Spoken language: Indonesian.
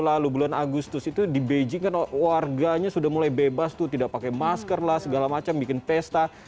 lalu bulan agustus itu di beijing kan warganya sudah mulai bebas tuh tidak pakai masker lah segala macam bikin pesta